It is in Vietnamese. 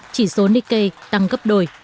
chỉ số nikkei tăng gấp đôi